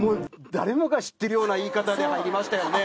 誰もが知ってるような言い方で入りましたよね。